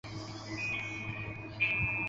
精于骑射。